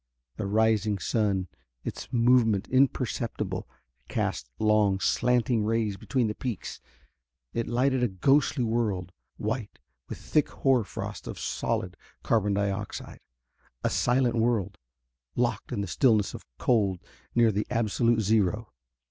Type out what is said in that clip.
The rising sun, its movement imperceptible, cast long slanting rays between the peaks. It lighted a ghostly world, white with thick hoar frost of solid carbon dioxide. A silent world, locked in the stillness of cold near the absolute zero.